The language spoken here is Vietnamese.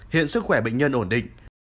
hiện sức khỏe bệnh nhân ổn định